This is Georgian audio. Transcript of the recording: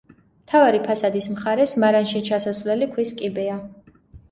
მთავარი ფასადის მხარეს მარანში ჩასასვლელი ქვის კიბეა.